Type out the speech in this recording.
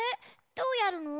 どうやるの？